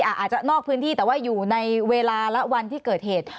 อาจจะนอกพื้นที่แต่ว่าอยู่ในเวลาและวันที่เกิดเหตุ